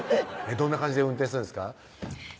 どんな感じで運転するんですか？